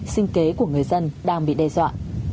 sinh kế của người dân đang bị đe dọa